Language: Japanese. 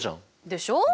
でしょう？